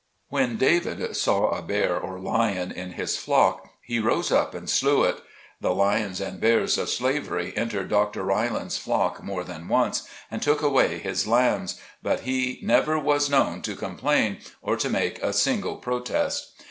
When David saw a bear or lion in his flock, he rose up and slew it. The lions and bears of slavery entered Dr. Riland's flock more than once, and took away his lambs ; but he never was known to complain, or to make a single protest.